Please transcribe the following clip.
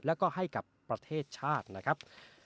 แล้วก็ให้กับประเทศชาตินะครับ